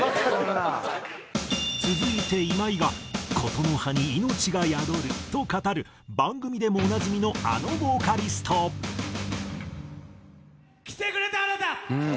続いて今井が「言の葉」に命が宿ると語る番組でもおなじみのあのボーカリスト。来てくれたあなた。